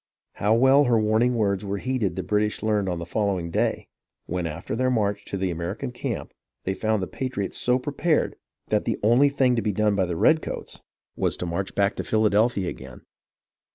How well her warning words were heeded the British learned on the following day, when, after their march to the American camp, they found the patriots so prepared that the only thing to be done by the redcoats was to 222 HISTORY OF THE AMERICAN REVOLUTION march back to Philadelphia again.